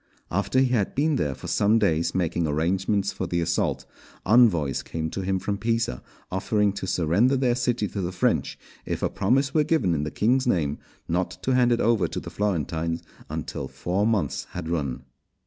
After he had been there for some days making arrangements for the assault, envoys came to him from Pisa offering to surrender their city to the French if a promise were given in the king's name, not to hand it over to the Florentines until four months had run.